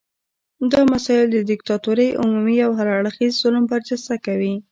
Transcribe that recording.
دا مسایل د دیکتاتورۍ عمومي او هر اړخیز ظلم برجسته کوي.